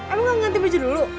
emang gak nganti baju dulu